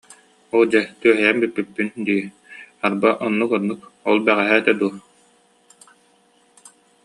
Оо, дьэ, түөһэйэн бүппүппүн дии, арба, оннук-оннук, ол бэҕэһээ этэ дуо